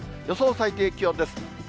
予想最低気温です。